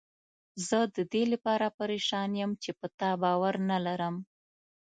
زه ددې لپاره پریشان یم چې په تا باور نه لرم.